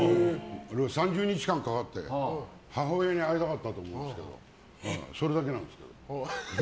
３０日間かかって母親に会いたかったんですけどそれだけなんですけど。